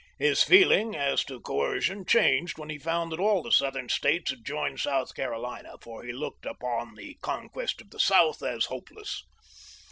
His feeling as to coercion changed when he found that all the South ern States had joined South Carolina, for he looked up on the conquest of the South as hopeless.